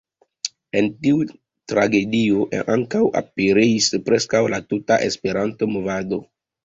En tiu tragedio ankaŭ pereis preskaŭ la tuta Esperanto-movado.